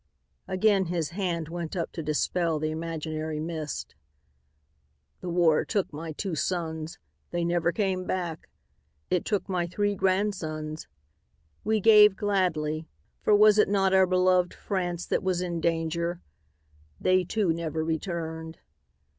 Again his hand went up to dispel the imaginary mist. "The war took my two sons. They never came back. It took my three grandsons. We gave gladly, for was it not our beloved France that was in danger? They, too, never returned."